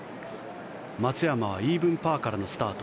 松山はイーブンパーからのスタート。